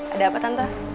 ada apa tante